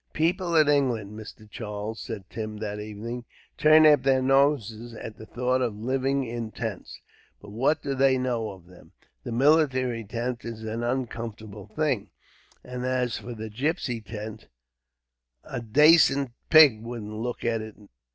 "People in England, Mister Charles," said Tim that evening, "turn up their noses at the thought of living in tents, but what do they know of them? The military tent is an uncomfortable thing, and as for the gipsy tent, a dacent pig wouldn't look at it.